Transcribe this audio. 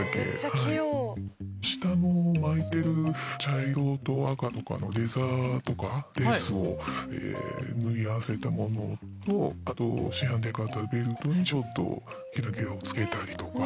下の巻いてる茶色と赤とかのレザーとかレースを縫い合わせたものとあと市販で買ったベルトにちょっとひらひらをつけたりとか。